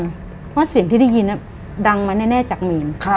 เพราะว่าเสียงที่ได้ยินดังมาแน่จากมีน